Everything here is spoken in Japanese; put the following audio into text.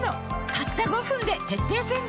たった５分で徹底洗浄